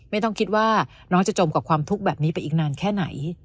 ไม่ต้องคิดว่าน้องจะจมกับความทุกข์แบบนี้ไปอีกนานแค่ไหน